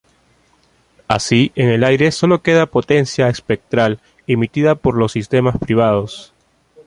Así, en el aire solo queda potencia espectral emitida por los sistemas privados.